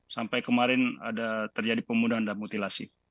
sampai kemarin ada terjadi pemudahan dan mutilasi